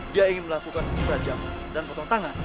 dia ingin melakukan hukum rajam dan potong tangan